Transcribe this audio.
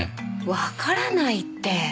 わからないって。